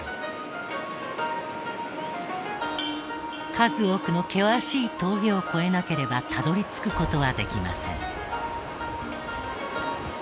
数多くの険しい峠を越えなければたどり着く事はできません。